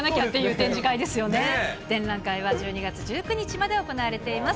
展覧会は１２月１９日まで行われています。